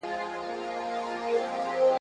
دوه او درې ځله غوټه سو په څپو کي ,